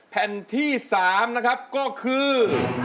แผ่นที่๓นะครับก็คือ